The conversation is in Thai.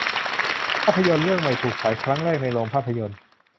ภาพยนตร์เรื่องใหม่ถูกฉายครั้งแรกในโรงภาพยนตร์